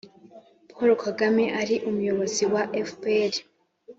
paul kagame ari umuyobozi wa fpr